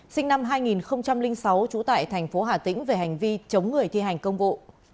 sinh năm hai nghìn sáu trú tại thành phố hà tĩnh về hành vi chống người thi hành công vụ